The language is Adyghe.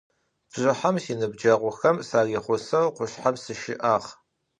Bjjıhem sinıbceğuxem sıryağuseu khuşshem sışı'ağ.